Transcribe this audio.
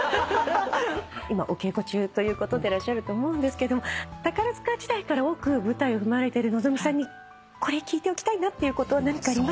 今お稽古中ということでらっしゃると思うんですけども宝塚時代から多く舞台を踏まれている望海さんにこれ聞いておきたいなってこと何かありますか？